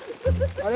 あれ？